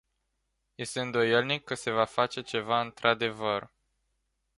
Este îndoielnic că se va face ceva într-adevăr.